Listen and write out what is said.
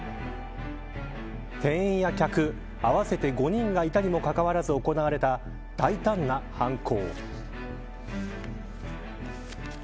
店員や客合わせて５人がいたにもかかわらず行われた大胆な犯行。